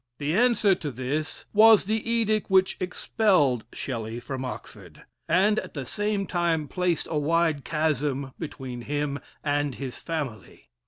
The answer to this was the edict which expelled Shelley from Oxford, and at the same time placed a wide chasm between him and his family.